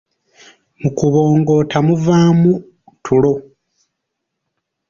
Mu kubongoota muvaamu tulo.